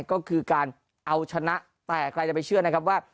ก็คือการเอาชนะแต่ใครจะไปเชื่อนะครับว่า